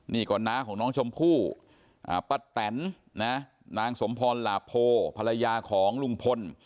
นี่ก็น้าของน้องชมพู่ป้าแตนนะนางสมพรหลาโพภรรยาของลุงพล